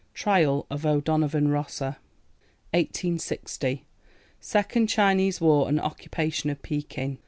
Trial of O'Donovan Rossa. 1860. Second Chinese War and occupation of Pekin.